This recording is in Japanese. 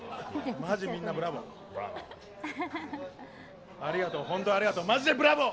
マジ、みんなブラボー。